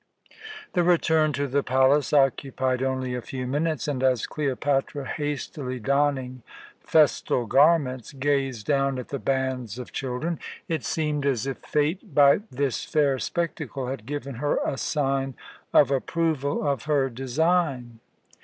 The return to the palace occupied only a few minutes, and as Cleopatra, hastily donning festal garments, gazed down at the bands of children, it seemed as if Fate by this fair spectacle had given her a sign of approval of her design.